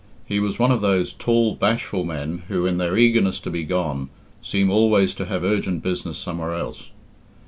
He was one of those tall, bashful men who, in their eagerness to be gone, seem always to have urgent business somewhere else.